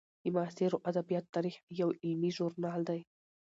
د معاصرو ادبیاتو تاریخ یو علمي ژورنال دی.